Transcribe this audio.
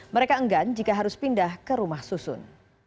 mereka enggan jika harus pindah ke rumah susun